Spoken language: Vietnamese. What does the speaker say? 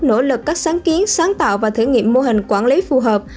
nỗ lực các sáng kiến sáng tạo và thử nghiệm mô hình quản lý phù hợp